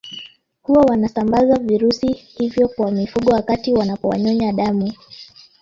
Huwa wanasambaza virusi hivyo kwa mifugo wakati wanapowanyonya damu